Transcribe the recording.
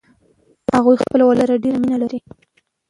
هغوی خپل ولس سره ډیره مینه کوي